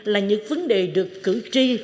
là những vấn đề được cử tri